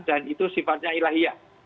dan itu sifatnya ilahiyah